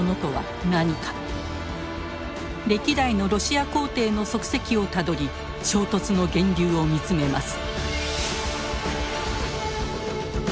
歴代のロシア皇帝の足跡をたどり「衝突の源流」を見つめます。